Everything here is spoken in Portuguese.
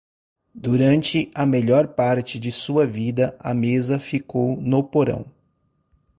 Durante a melhor parte de sua vida, a mesa ficou no porão.